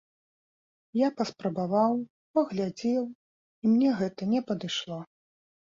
Я паспрабаваў, паглядзеў, і мне гэта не падышло.